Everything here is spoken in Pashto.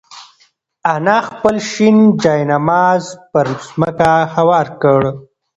انا خپل شین جاینماز پر ځمکه هوار کړ.